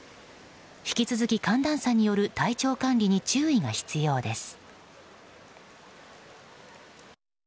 引き続き寒暖差による体調管理に注意が必要です。